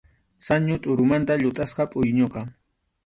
Sañu tʼurumanta llutʼasqam pʼuyñuqa.